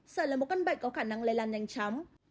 sởi là một căn bệnh có khả năng lây lan nhanh chóng